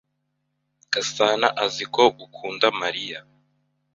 Gasana azi ko ukunda Mariya?